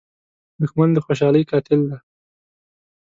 دښمن د خوشحالۍ قاتل دی